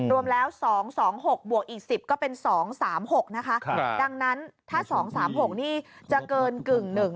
รวมแล้ว๒๒๖บวกอีก๑๐ก็เป็น๒๓๖นะคะดังนั้นถ้า๒๓๖นี่จะเกินกึ่งหนึ่ง